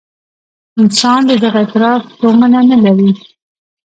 انسان د دغه اعتراف تومنه نه لري.